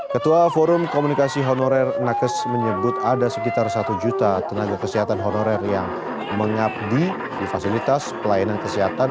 ketua forum komunikasi honorer nakes menyebut ada sekitar satu juta tenaga kesehatan honorer yang mengabdi di fasilitas pelayanan kesehatan